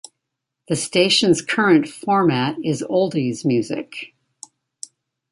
The station's current format is oldies music.